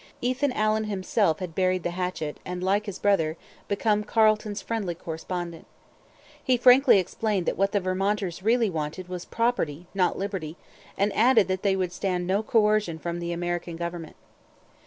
Ethan Allen himself had buried the hatchet and, like his brother, become Carleton's friendly correspondent. He frankly explained that what Vermonters really wanted was 'property not liberty' and added that they would stand no coercion from the American government.